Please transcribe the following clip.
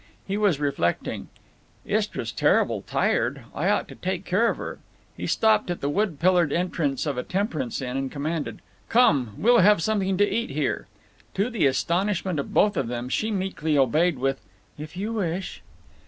He was reflecting: "Istra's terrible tired. I ought to take care of her." He stopped at the wood pillared entrance of a temperance inn and commanded: "Come! We'll have something to eat here." To the astonishment of both of them, she meekly obeyed with "If you wish."